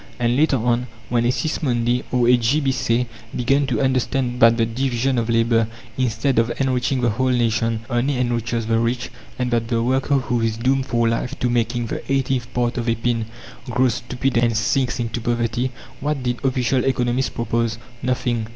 And later on, when a Sismondi or a J. B. Say began to understand that the division of labour, instead of enriching the whole nation, only enriches the rich, and that the worker, who is doomed for life to making the eighteenth part of a pin, grows stupid and sinks into poverty what did official economists propose? Nothing!